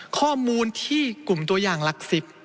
ข้อมูลที่กลุ่มตัวอย่างหลัก๑๐